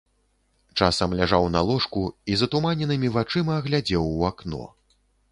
Часам ляжаў на ложку і затуманенымі вачыма глядзеў у акно.